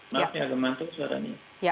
maaf ini agak mantul suaranya